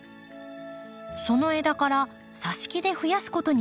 その枝から挿し木で増やすことに成功。